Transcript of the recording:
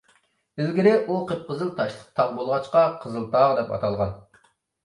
ئىلگىرى ئۇ قىپقىزىل تاشلىق تاغ بولغاچقا، «قىزىلتاغ» دەپ ئاتالغان.